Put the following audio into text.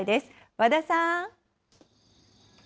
和田さん。